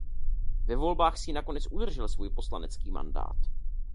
Ve volbách si nakonec udržel svůj poslanecký mandát.